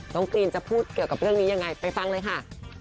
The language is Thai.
กรีนจะพูดเกี่ยวกับเรื่องนี้ยังไงไปฟังเลยค่ะ